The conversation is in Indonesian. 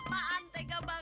makanya pengen jagain